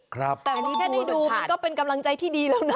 ครับแต่ที่แค่ได้ดูมันก็เป็นกำลังใจที่ดีแล้วน่ะเออ